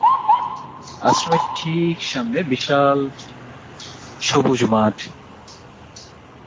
আশ্রমের ঠিক সামনে বিশাল সবুজ মাঠ।